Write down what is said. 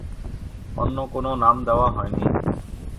অন্য কোনো নাম দেওয়া হয়নি।